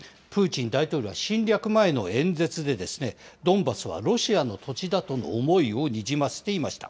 プーチン大統領は侵略前の演説で、ドンバスはロシアの土地だとの思いをにじませていました。